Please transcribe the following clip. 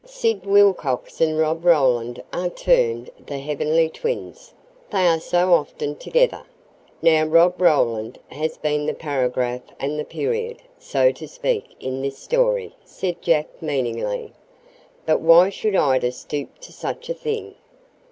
"Sid Wilcox and Rob Roland are termed the Heavenly Twins, they are so often together. Now, Rob Roland has been the paragraph and the period, so to speak, in this story," said Jack meaningly. "But why should Ida stoop to such a thing?"